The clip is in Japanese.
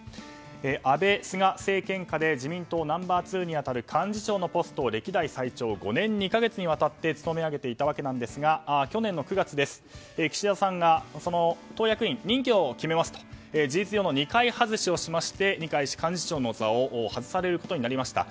安倍、菅政権下で自民党ナンバー２に当たる幹事長のポストを歴代最長５年２か月にわたって務め上げていたわけですが去年の９月岸田さんが党役員、任期を決めますと事実上の二階外しをしまして二階氏は幹事長の座を外されることになりました。